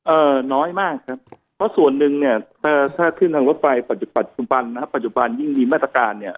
น้อยมากครับเพราะส่วนหนึ่งเนี่ยถ้าถ้าขึ้นทางรถไฟปัจจุบันนะครับปัจจุบันยิ่งมีมาตรการเนี่ย